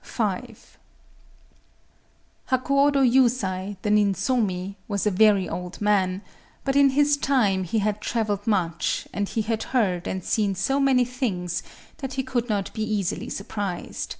V Hakuōdō Yusai, the ninsomi, was a very old man; but in his time he had travelled much, and he had heard and seen so many things that he could not be easily surprised.